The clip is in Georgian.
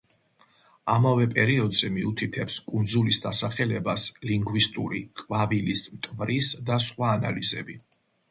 ამავე პერიოდზე მიუთითებს კუნძულის დასახლებას ლინგვისტური, ყვავილის მტვრის და სხვა ანალიზები.